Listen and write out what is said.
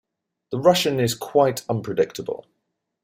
The Russian is quite unpredictable.